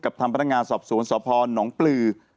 กับทำพนักงานสอบศูนย์สอบพรหนองปลือ